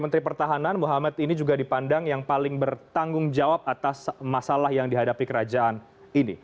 menteri pertahanan muhammad ini juga dipandang yang paling bertanggung jawab atas masalah yang dihadapi kerajaan ini